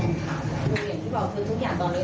คืออย่างที่บอกคือทุกอย่างตอนนี้